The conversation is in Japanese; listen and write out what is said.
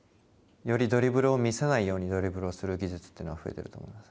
よりドリブルを見せないようにドリブルをする技術は増えていると思います。